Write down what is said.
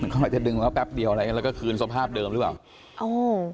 ก็จะดึงมาแป๊บเดียวแล้วก็คืนสภาพเดิมหรือเปล่า